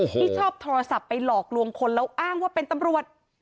ที่ชอบโทรศัพท์ไปหลอกลวงคนแล้วอ้างว่าเป็นตำรวจ